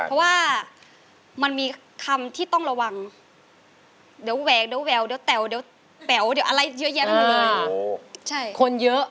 เพราะว่ามันมีคำที่ต้องระวังเดี๋ยวแหวกเดี๋ยวแหววเดี๋ยวแต๋วเดี๋ยวแป๋วเดี๋ยวอะไรเยอะแยะไปหมดเลยคนเยอะ